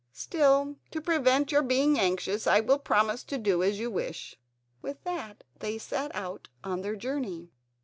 Still, to prevent your being anxious I will promise to do as you wish." With that they set out on their journey.